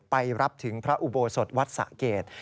ไปรับถึงพระอุโบสถวัดสะเกด